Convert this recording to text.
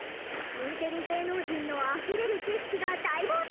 インテリ芸能人のあふれる知識が大暴走！